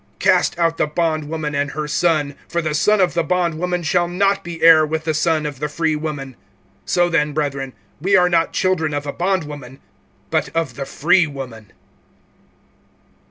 Cast out the bondwoman and her son; for the son of the bondwoman shall not be heir with the son of the free woman. (31)So then, brethren, we are not children of a bondwoman, but of the freewoman.